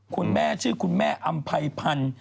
คุณแม่ชื่อคุณแม่อำไพพันธ์